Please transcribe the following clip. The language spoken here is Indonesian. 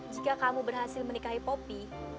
jika kamu berhasil menikahi kopi